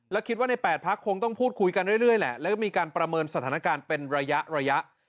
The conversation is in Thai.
แล้วคิดว่าใน๘พักคงต้องพูดคุยกันเรื่อยแหละแล้วก็มีการประเมินสถานการณ์เป็นระยะระยะ